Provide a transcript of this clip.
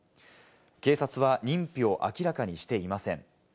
警察は認否を明らかにしていません。